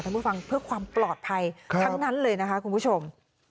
ผู้ฟังเพื่อความปลอดภัยทั้งนั้นเลยนะคะคุณผู้ชม